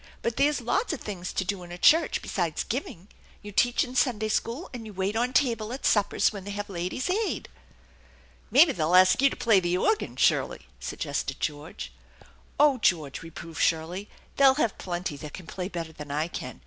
But there's lots of things to do in a church besides giving. You teach in Sunday school, and you wait on table at suppers when they have Ladies' Aid." " Maybe they'll ask you to play the organ, Shirley," sug gested George. "Oh George!" reproved Shirley. "They'll have plenty that can play better than I can.